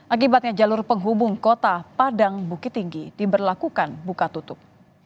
akibatnya jalur penghubung kota padang bukit tinggi diberlakukan buka tutup